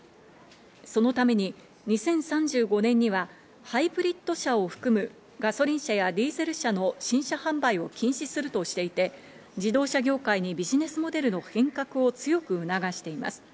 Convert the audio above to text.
そのために２０３５年にはハイブリッド車を含むガソリン車やディーゼル車の新車販売を禁止するとしていて、自動車業界にビジネスモデルの変革を強く促しています。